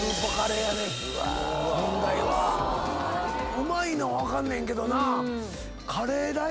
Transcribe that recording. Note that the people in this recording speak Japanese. うまいのは分かんねんけどな。